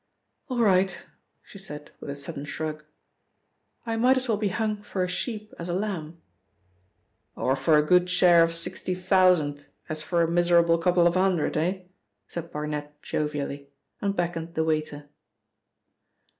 "All right," she said with a sudden shrug, "I might as well be hung for a sheep as a lamb." "Or for a good share of sixty thousand as for a miserable couple of hundred, eh?" said Barnet jovially, and beckoned the waiter.